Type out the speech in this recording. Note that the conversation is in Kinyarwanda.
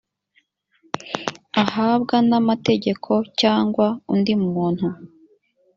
ahabwa n amategeko cyangwa undi muntu